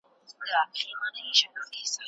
د قدرت له پاره مبارزه کله کله له اخلاقياتو وځي.